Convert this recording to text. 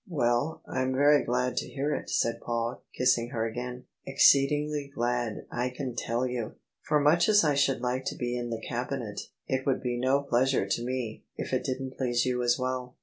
",Well, Fm very glad to hear it," said Paul, kissing her again :" exceedingly glad, I can tell you ! For much as I should like to be in the Cabinet, it would be no pleasure to me if it didn't please you as well."